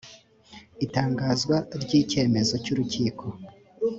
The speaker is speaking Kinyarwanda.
itangazwa ry’icyemezo cy’urukiko